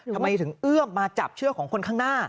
ทำไมถึงเอื้อมมาจับเชือกของคนข้างหน้า